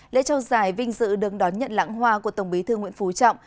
lễ trao giải vinh dự đứng đón nhận lãng hoa của tổng bí thư nguyễn phú trọng